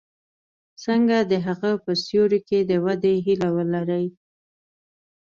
څنګه د هغه په سیوري کې د ودې هیله ولري.